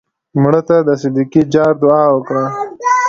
مړه ته د صدقې جار دعا وکړه